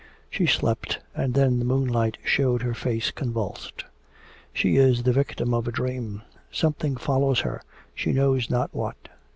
She slept, and then the moonlight showed her face convulsed. She is the victim of a dream. Something follows her she knows not what.